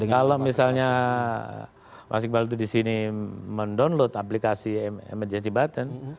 kalau misalnya mas iqbal itu di sini mendownload aplikasi emergency button